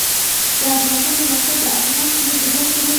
د افغانستان د موقعیت د افغان ښځو په ژوند کې رول لري.